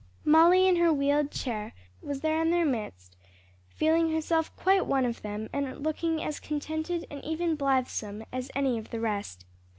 Molly in her wheeled chair, was there in their midst, feeling herself quite one of them and looking as contented and even blithesome as any of the rest.